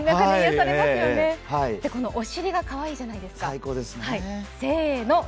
このお尻がかわいいじゃないですか。